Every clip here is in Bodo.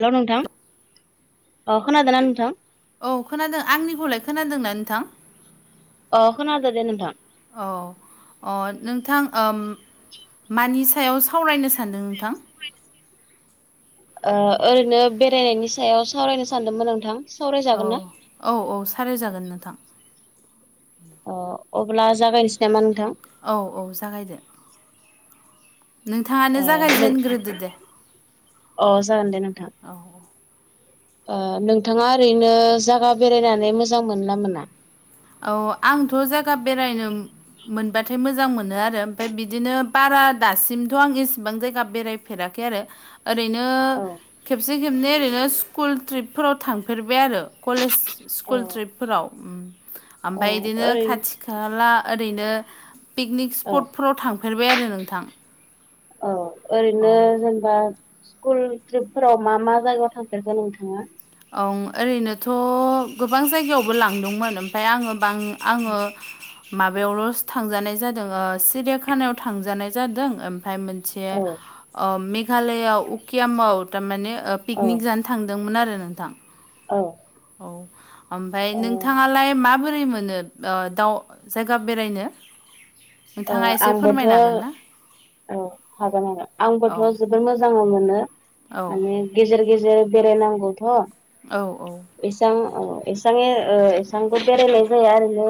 हेलौ नोंथां, अ खोनादों ना नोंथां? औ खोनादों, आंनिखौलाय खोनादों ना नोंथां? अ खोनादो दे नोंथां। औ, अ नोंथां मानि सायाव सावरायनो सानदों नोंथां? ओ ओरैनो बेरायनायनि सायाव सावरायनो सानदोंमोन नोंथां। औ सावरायजागोन ना औ औ सावराय जागोन नोंथां। अ अब्ला जागायनोसै नामा नोंथां? औ औ जागायदो नोंथाङानो ओ नों जागायजेनग्रोदो दे अ जागोन दे नोंथां। ओ नोंथाङा ओरैनो जायागा बेरायनानै मोजां मोनो ना मोना? औ आंथ' जागा बेरायनो मोनबाथाय मोजां मोनो आरो ओमफ्राय बिदिनो बारा दासिमथ' आं एसेबां जायगा बेराय फेराखै आरो ओरैनो औ खेबसे खेबनै ओरैनो स्कुल ट्रिपफोराव थांफेरबाय आरो कलेज औ स्कुल ट्रिपफोराव। उम औ ओमफ्राय बिदिनो ओरैनो खाथि खाला ओरैनो पिकनिक औ स्पटफोराव थां फेरबाय आरो नोंथां अ ओरैनो औ जेन बा स्कुल ट्रिपफोराव मा मा जायगायाव थांफेरखो नोंथाङा? ओं ओरैनोथ' गोबां जायगायावबो लांदोंमोन। ओमफ्राय आङो आङो माबायावल' थांजानाय जादों ओ सिरियाखानायाव थांजानाय जादों ओमफ्राय मोनसे औ मेघालआव उकियामाव थारमाने औ पिकनिक जानो थांदोंमोन आरो नोंथां। औ। औ ओमफ्राय नोंथाङालाय माबोरै मोनो दाउ जायगा बेरायनो ओ नोंथाङा एसे आंबोथ' फोरमायनो हागोन ना हागोन आरो आंबोथ' औ ज जोबोर मोजां मोनो औ माने गेजेर गेजेर बेरायनांगौथ' औ औ। एसां औ एसांनि ओ एसांबो बेरायनाय जाया ओरैनो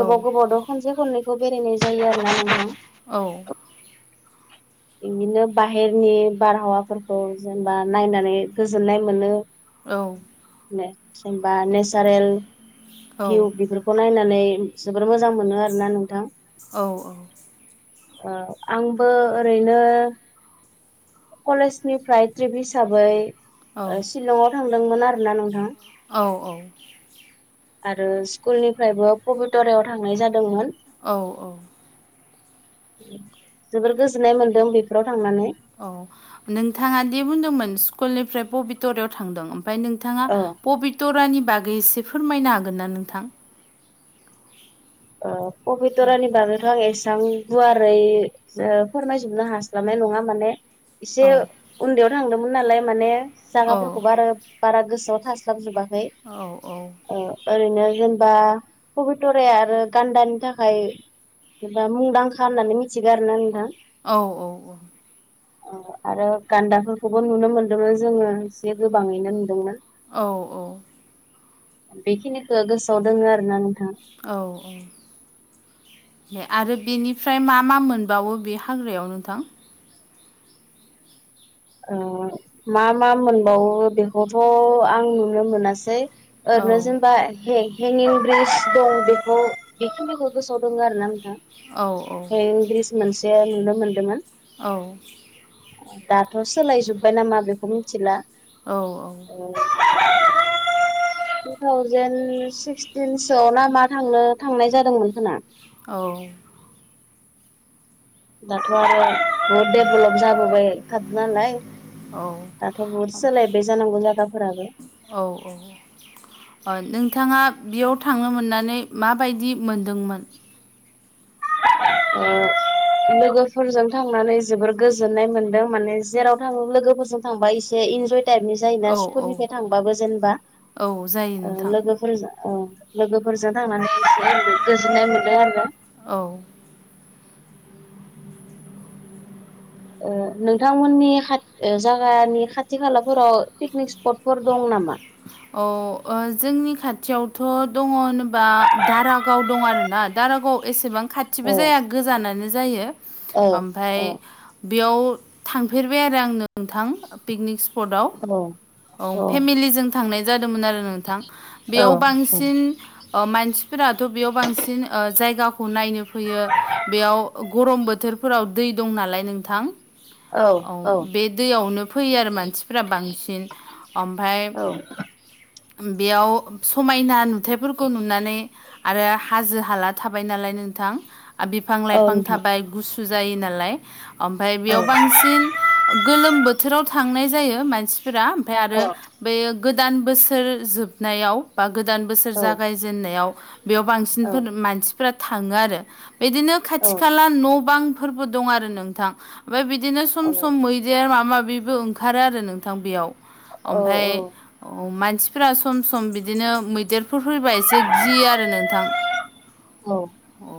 औ गोबाव गोबाव दो खनसे खननैखौ बेरायनाय जायो आरोना नोंथां। औ। बिदिनो बाहेरनि बारहावाफोरखौ जेनेबा नायनानै गोजोननाय मोनो। औ। जेनबा नेचारेल भिउ बेफोरखौ खौ नायनानै जोबोर मोजां मोनो आरोना नोंथां। औ औ। आंबो ओरैनो कलेजनिफ्राय ट्रिप हिसाबै ओ औ सिलंआव थांदोंमोन आरो ना नोंथां। औ औ आरो स्कुलनिफ्रायबो पबितरायाव थांनाय जादोंमोन औ औ। जोबोर गोजोननाय मोनदों बेफोराव थांनानै औ नोंथाङा दि बुंदोंमोन स्कुलनिफ्राय पबितरायाव थांदों ओमफ्राय नोंथाङा औ पबितरानि बागै एसे फोरमायनो हागोन ना नोंथां? ओ पबितरानि बागैथ' आं एसेबां गुवारै फोरमायजोबनो हास्लाबनाय नङा माने एसे औ उन्दैयाव थांदोंमोन नालाय माने औ जागाफोरखौबो आरो बारा गोसोआव थास्लाबजोबा औ औ ओरैनो जेनेबा पबितराया आरो गान्दानि थाखाया मुंदांखा होननानै मिथिगो आरोना नोंथां। औ औ औ। औ। आरो गान्दाफोरखौबो नुनो मोनदोंमोन जोङो एसे गोबाङैनो नुदोंमोन। औ औ। बेखिनिखो गोसोआव दोङो आरोना नोंथां। औ औ। आरो बेनिफ्राय मा मा मोनबावो बे हाग्रायाव नोंथां? ओ मा मा मोनबावो बेखौथ' आं नुनो मोनासै। औ ओरैनो जेनेबा हेंगिं ब्रिज दं बेखौ बेखि बेखौ गोसोआव दङ आरो ना औ औ नोंथां। ब्रिज मोनसेया नुनो मोनदोंमोन। औ दाथ' सोलाय जोबबाय ना मा बेखौ मिथिला। औ औ। [inaudible] थु थावजेेन सिक्सटिनसोआव ना मा थांनो थांनाय जादोंमोन होना औ। दाथ' आरो बहुद डेभलप जाबोबाय थादो नालाय दाथ' बुहुद सोलायबाय जानांगौ जाय्गाफोराबो। औ औ। अ नोंथाङा बेयाव थांनो मोननानै माबायदि मोनदोंमोन? ओ लोगोफोरजों थांनानै जोबोर गोजोननाय मोनदों। माने जेराव थांङो लोगोफोरजों थांबा इसे इनजय टाइपनि जायोना औ औ स्कुलनिफ्राय थांबाबो जेनेबा। औ जायो ओ नोंथां लोगोफोरजों ओ लोगोफोरजों थांनानै एसे गोजोननाय मोनो आरो। औ। ओ नोंथांमोननि खा जागानि खाथि खालाफोराव पिकनिक स्पटफोर दं नामा? औ ओ जोंनि खाथियावथ' दङ होनोबा दारागाव दं आरोना दाारागाव एसेबां खाथिबो औ जाया गोजानानो जायो। औ ओमफाय औ बेयाव थांफेरबाय आरो आं नोंथां पिकनिक स्पटआव। औ। औ फेमिलिजों थांनाय जादोंमोन आरो नोंथां। बेयाव औ बांसिन अ मानसिफोराथ' बेयाव बांसिन ओ जायगा खौ नायनो फैयो बेयाव गरम बोथोरफोराव दै दं नालाय नोंथां। औ बे दैयावनो फैयो आरो मानसिफोरा बांसिन। ओमफाय बेयाव समायना नुथायफोरखौ नुनानै आरो हाजो हाला थाबाय नालाय नोंथां बिफां औ लाइफां नोंथां थाबाय गुसु जायो नालाय। ओमफाय बेयाव बांसिन गोलोम बोथोराव था नाय जायो मानसिफोरा ओमफ्राय औ आरो बे गोदान बोसोर जोबनायाव बा गोदान बोसोर औ जागायजेननायाव बेयाव बांसिनफोर औ मानसिफोरा थाङो आरो। बिदिनो औ खाथि खाला न' बांफोरबो दं आरो नोंथां। ओमफाय बिदिनो सम सम मैदेर माबा माबिबो ओंखारो आरो नोंथां बेयाव। ओमफाय औ मानसिफोरा सम सम बिदिनो मै देरफोर फैबा एसे गियो आरो नोंथां। औ।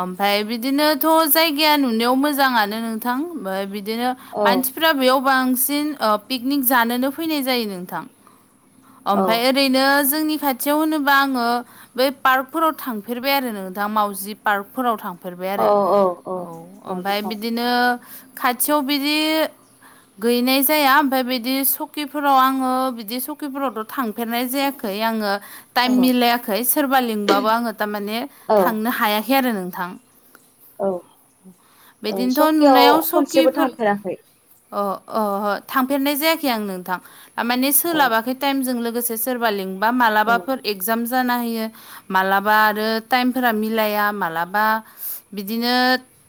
ओमफाय बिदिनोथ' जायगाया नुनायाव मोजांङानो नोंथां। ओ बिदिनो औ मानसिफ्रा बेयाव बांसिन ओ पिकनिक जानोनो फैनाय जायो नोंथां। औ ओमफाय ओरैनो जोंनि खाथियाव होनोबा आङो बै पार्कफोराव थांफेरबाय आरो नोंथां मावजि पार्कफोराव थां फेरबाय आरो औ। ओमफ्राय बिदि नो खाथियाव बिदि गैनाय जाया ओमफाय बिदि सकिफोराव आङो बिदि सकिफोरावथ' थांफेरनाय जायाखै। आङो औ टाइम मिलायाखै सोरबा लिंबानो आंङो थारमाने औ थांनो हायाखै आरो नोंथां। औ औ बिदिनोथ' सकियाव नुनायाव खनसेबो सकिफोर थांफेराखै अ अ थांफेरनाय जायाखै आं नोंथां। माने औ सोलाबाखै टाइमजों लोगोसे सोरबा लिंबा औ मालाबाफोर एगजाम जाना होयो। माब्लाबा आरो टाइमफोरा मिलाया माबलाबा बिदिनो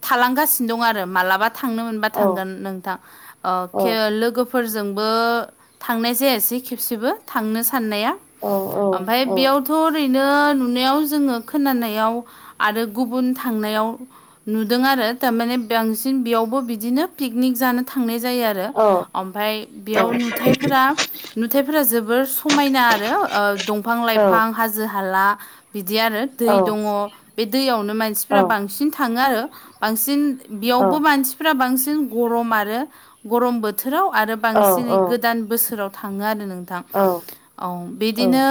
थालांगासिनो दं आरो मालाबा थांनो मोनबा औ थांगोन नोंथां। औ लोगोफोरजोंबो थांनाय जायासै खेबसेबो थांनो साननाया औ औ ओमफफ्राय औ बेयावथ' ओरैनो नुनायाव जोङो खोनानायाव आरो गुबुन थांनायाव नुदों आरो थारमाने बांसिन बेयावबो बिदिनो पिकनिक जानो थांनाय जायो आरो। औ ओमफाय औ बेयाव नुथायफोरा नुथायफोरा जोबोर समायना आरो ओ दंफां लाइफां हाजो हाला बिदि आरो दै दङ औ बे दैयावनो मानसिफोरा्रा बांसिन थाङो आरो। बांसिन बेयावबो औ मानसि फोर्रा बांसिन गरम आरो गरम बोथोराव आरो बांसिनै औ गोदान बोसोराव थाङो आरो औ नोंथां औ औ बिदिनो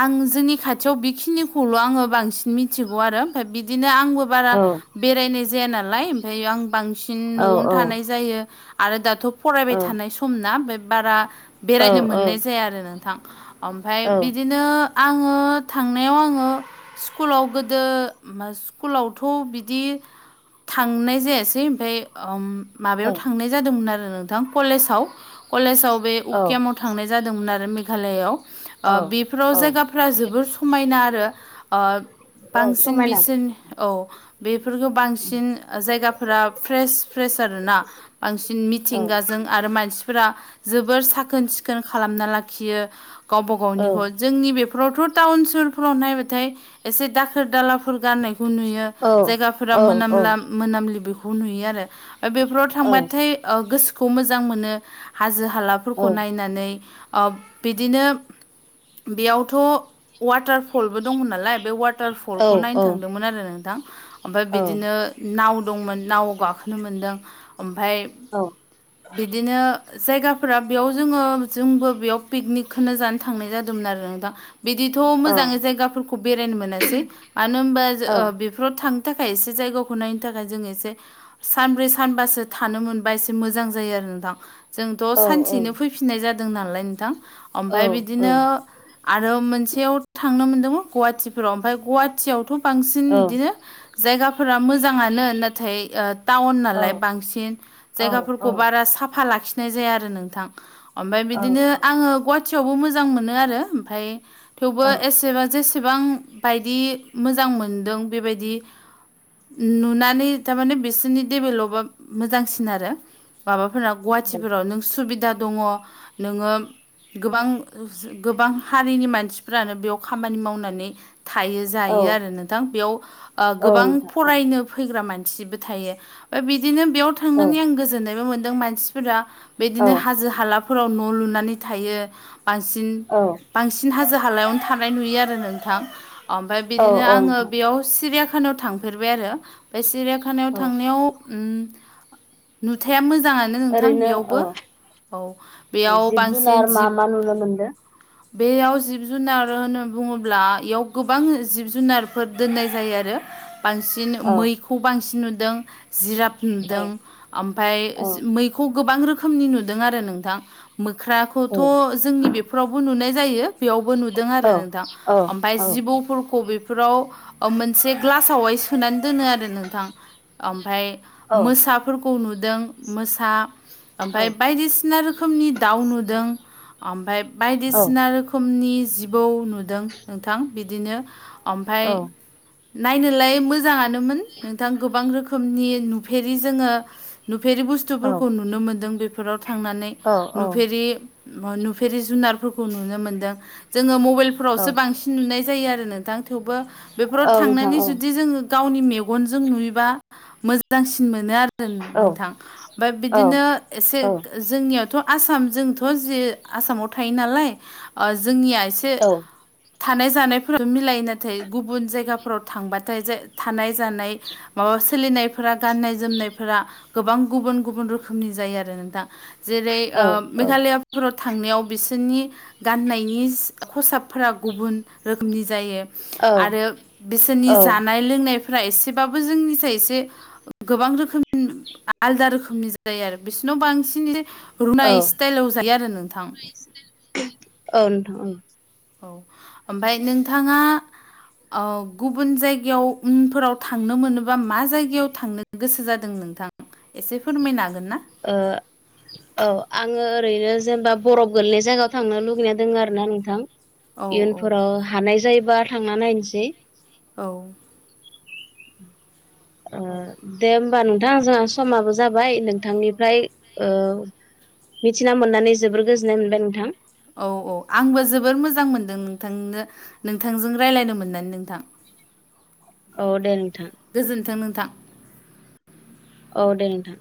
आं जोंनि खाथियाव बेखिनिखौल' आङो बांसिन मिथिगौ आरो ओमफ्राय बिदिनो आं आ बारा बेरायनाय जाया नालाय ओमफ्रायायो आं बांसिन न'आवनो थानाय जायो। आरो दाथ' फरायबाय थानाय समना बे बारा बेरायनो मोननाय जाया आरो नोंथां। ओमफ्राय बिदिनो आङो थांनायाव आङो स्कुलाव गोदो स्कुलावथ' बिदि थांनाय जायासै ओमफफ्राय माबायाव थांनाय जादोंमोन आरो नोंथां कलेजाव कलेजाव बे उकियामाव थांनाय जादोंमोन आरो मेघालययाव औ बेफोराव जायगाफ्रा जोबोर समायना आरो औ बांसिन समायना बिसिन औ बेफोरखौ बांसिन जायगाफोरा फ्रेस फ्रेस आर ना बांसिन औ मिथिंगा जों आरो मानसिफोरा जोबोर साखोन सिखोन खालामना लाखियो गावबा औ गावनिखौ। जोंनि बेफोरावथ' टाउन सहुरफ्राव नायबाथाय एसे दाखोर दाला फोर गाननायखौ नुयो औ जायगाफोरा औ औ मोनामला मोनामलि बेखौ नुयो आरो मफ्राय बेफोराव औ थांबाथाय गोसोखौ मोजां मोनो हाजो हालाफोरखौ नायनानै बिदिनो बेयावथ' वाटार फलबो दंमोन नालाय बे वाटार औ फलखौ नायनो थांदोंमोन आरो नोंथां ओमफ्राय बिदिनो नाव दंमोन नावआव गाखोनो मोनदों ओमफफ्राय बिदिनो जायगाफोरा बेयाव जोङो जोंबो बेयाव पिकनिकखौो जानो। थांनाय जादोंमोन आरो नों दा बिदिथ' मोजाङै जायगाफोरखौ बेरायनो मोनासै मानो होनबा बेफोराव थांनो थाखाय एसे जायगाखौ नायनो थाखाय जों एसे सानब्रै सानबासो थानो मोन बा एसे मोजां जायो आरो नोंथां जोंथ' औ औ सानसेयैनो फैफिननाय जादों नालाय नोंथां। औ ओमफफ्राय औ बिदिनो आरो मोनसेयाव थांनो मोनदोंमोन गुवाहाटिफोराव ओमफ्राय ग खाथियावथ' बांसिन औ बिदिनो जायगाफोरा मोजाङानो नाथाय टाउन नालाय बांसिन औ जायगाफोरखौ औ बारा साफा लाखिनाय जाया आरो नोंथां। ओमफ्राय औ बिदिनो आङो गुवाहाटिीयावबो मोजां मोनो आरो ओमफफ्राय थेवबो औ एसेबा जेसेबां बायदि मोजां मोनदों बेबायदि नुनानै थारमाने बिसोरनि डेभेलबा मोजांसिन आरो माबाफोरा गुवाहाटिफोराव नों सुबिदा दङ नोङो गोबां गोबां हारिनि मानसिफ्रानो बेयाव खामानि मावनानै थायो। जायो आरो नोंथां बेयाव औ गोबां नोंथां फरायनो फैग्रा मानसिबो थायो ओमफ्राय बिदिनो बेयाव औ थांनानै आं गोजोननायबो मोनदों मानसिफोरा बिदिनो औ हाजो हालाफोराव न' लुनानै थायो बांसिन औ बांसिन हाजो हालायावनो थानाय नुयो आरो नोंथां। ओमफफ्राय औ बिदिनो आङो नोंथां बेयाव सिरियाखानायाव थांफेरबाय आरो मफ्राय सिरियाखानायाव औ थांनायाव। ओम। नुथाया मोजांआनो नो नोंथां ओरैनो औ बेयावबो औ बेयाव जिब जुनार बांसिन मा जिब मा नुनो मोनदों बेयाव जिब जुनार होनो बुङोब्ला बेयाव गोबां जिब जुनार बे फोर दोननाय जायो आरो बांसिन औ मैखौ बांसिन नुदों जिराब औ नुदों। ओमफ्राय औ मैखौ गोबां रोखोमनि नुदों आरो नोंथां मोख्राखौ खौथ' जोंनि बेफोरावबो नुनाय जायो। बेयावबो नुदों औ आरो नोंथां ओमफ्राय औ जिबौफोरखौ बे बेफोराव मोनसे ग्लासावहाय सो होनानै दोनो आरो नोंथां ओमफाय औ मोसा खौ नुदों मोसा ओमफ्राय बायदिसिना रोखोमनि दाउ नुदों ओमफ्राय औ बायदिसिना रो रोखोमनि जिबौ नुदों नोंथां बिदिनो ओमफ्राय नायनोलाय मोजाङानोमोन नोंथां गोबां रोखोमनि नुफेरि जोङो नुफेरि औ बुस्थुफोरखौ नुनो मोन्दों बेफोराव थांनानै नुफेरि नुफेरि जुनारफोरखौ नुनो मोन्दों जोङो मबाइलफोरावसो औ नोंथां औ बांसिन नुनाय जायो आरो नों दां थेवबो बेफोराव औ नोंथां थांनानै जुदि जोङो गावनि मेगनजों नुयोबा मोजांसिन मोनो आरो नोंथां ओमफ्राय बिदिनो एसे जोंनियावथ' आसाम जोंथ' जे आसामाव थायो नालाय जोंनिया एसे से थानाय जानायफोर मिलायो नाथाय गुबुन जायगाफोराव थांबाथाय जाय थानाय जानाय माबा सोलिनायफोरा गाननाय जोमनाय गोबां गुबन गुबन रोखोमनि जायो आरो नोंथां जेरै मेघालया फोराव थांनायाव बिसोरनि गाननायनि खसाबफोरा गुबुन रोखोमनि जायो आरो बिसोरनि जानाय लोंनायफोरा एसेबो जोंनिसाय एसे गोबां रोखोम आलदा रोखोमनि जायो आरो बिसिोरनाव बांसिन जे रुनाय स्टाइलाव जायो आरो नोंथां। औ नोंथां औ। औ ओमफ्राय नोंथाङा गुबुन जायगायाव उमफोराव थांनो मोनोबा मा जायगायाव थांनो गोसो जादों नोंथां एसे फोरमायनो हागोन ना? औ ओ औ आङो ओरैनो जेनेबा बरफ गोलै जायगायाव थांनो लुगैना दङ आरोना नोंथां। औ औ इयुनफोराव हानाय जायोबा थांना नायनोसै औ दे होमबा नोंथां जोंहा समाबो जाबाय नोंथांनिफ्राय ओ मिथिना मोननानै जोबोर गोजोननाय मोनबाय नोंथां। औ औ आंबो जोबोर मोजां मोनदों नोंथांनो नोंथांजों रायज्लायनो मोननानै नोंथां। औ दे नोंथां। गोजोन्थों नोंथां। औ दे नोंथां।